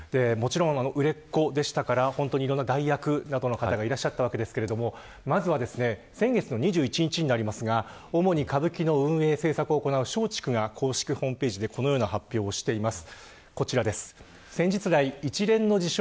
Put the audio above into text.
売れっ子だったので代役などの方がいるわけですがまずは、先月２１日になりますが主に歌舞伎の運営制作を行う松竹が公式ホームページでこのような発表をしています。